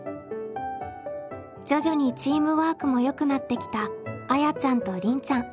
徐々にチームワークもよくなってきたあやちゃんとりんちゃん。